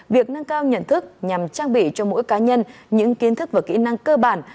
việc nâng cao nhận thức nhằm trang bị cho mỗi cá nhân những kiến thức và kỹ năng cơ bản